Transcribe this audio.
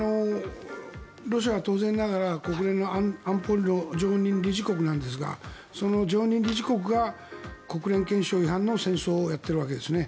ロシアが当然ながら国連安保理の常任理事国なんですがその常任理事国が国連憲章違反の戦争をやっているわけですね。